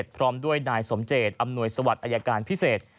พร้อมด้วยนายสมเจตอำนวยสวัสดิอายการพิเศษ